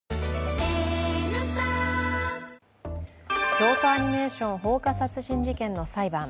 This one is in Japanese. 京都アニメーション放火殺人事件の裁判。